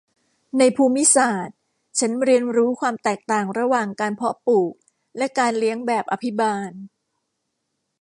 ในภูมิศาสตร์ฉันเรียนรู้ความแตกต่างระหว่างการเพาะปลูกและการเลี้ยงแบบอภิบาล